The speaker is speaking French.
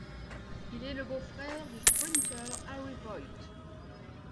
Il est le beau-frère du sprinteur Harry Voigt.